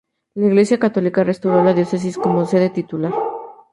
La Iglesia católica restauró la diócesis como sede titular.